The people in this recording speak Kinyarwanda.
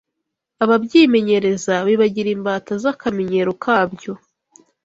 ababyimenyereza bibagira imbata z’akamenyero kabyo